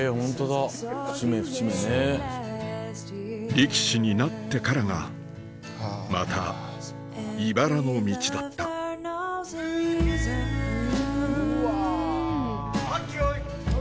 力士になってからがまたいばらの道だったはっきよ